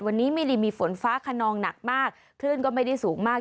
วันนี้ไม่ได้มีฝนฟ้าขนองหนักมากคลื่นก็ไม่ได้สูงมาก